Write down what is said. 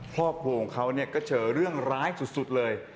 พ่อปลูกของเขาก็เจอเรื่องร้ายสุดเลย